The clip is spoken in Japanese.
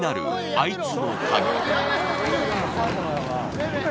あいつの影